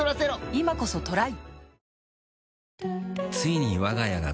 今こそトライ！